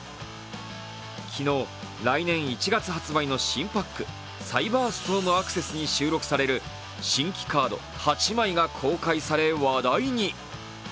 昨日、来年１月発売の新パック「ＣＹＢＥＲＳＴＯＲＭＡＣＣＥＳＳ」に収録される新規カード８枚が公開され話題に。